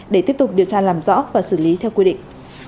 để tiếp tục điều tra làm rõ và xử lý theo quy định